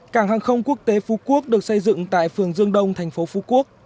cảng hàng không quốc tế phú quốc được xây dựng tại phường dương đông thành phố phú quốc